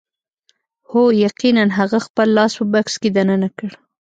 هو یقیناً هغه خپل لاس په بکس کې دننه کړ